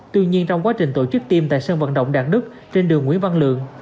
tuy nhiên trong quá trình tổ chức tiêm tại sân vận động đạt đức trên đường nguyễn văn lượng